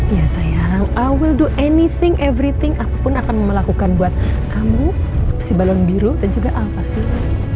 ya sayang i will do anything everything aku pun akan melakukan buat kamu si balon biru dan juga alva sih